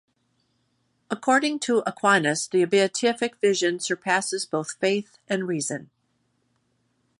According to Aquinas, the Beatific Vision surpasses both faith and reason.